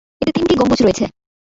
এতে তিনটি গম্বুজ রয়েছে।